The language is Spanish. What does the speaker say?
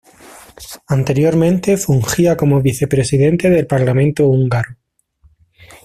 Anteriormente fungía como vicepresidente del Parlamento húngaro.